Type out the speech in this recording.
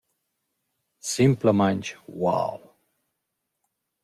Simplamaing wow!»